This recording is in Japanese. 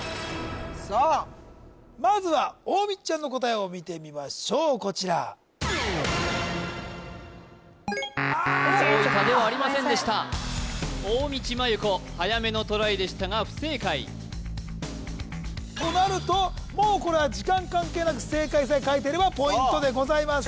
さあまずは大道ちゃんの答えを見てみましょうこちら大分ではありませんでした大道麻優子はやめのトライでしたが不正解となるともうこれは時間関係なく正解さえ書いていればポイントでございます